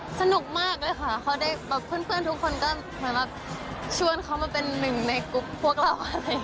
ก็สนุกมากเลยค่ะเพื่อนทุกคนก็ชวนเขามาเป็นหนึ่งในกลุ่มพวกเรา